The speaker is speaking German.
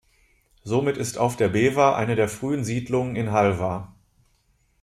Somit ist Auf der Bever eine der frühen Siedlungen in Halver.